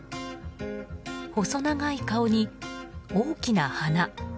細長い顔に、大きな鼻。